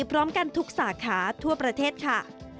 พร้อมกันทุกสาขาทั่วประเทศค่ะ